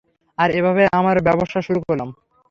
আর এভাবেই আমার ব্যাবসা শুরু করলাম।